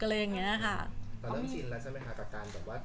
เราเริ่มชินแล้วหรอใช่ไหมค่ะการว่าต้องอ่าน